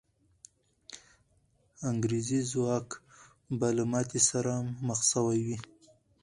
انګریزي ځواک به له ماتې سره مخ سوی وي.